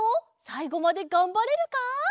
さいごまでがんばれるか？